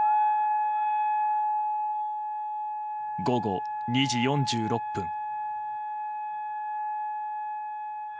午後２時４６分。